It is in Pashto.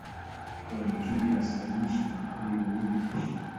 که نجونې راستنې شي نو کلی به نه وي تش.